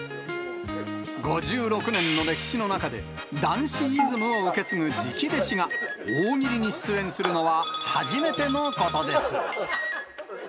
５６年の歴史の中で、談志イズムを受け継ぐ直弟子が、大喜利に出演するのは初めてのことです。